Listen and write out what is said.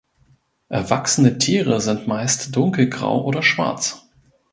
Erwachsene Tiere sind meist dunkelgrau oder schwarz.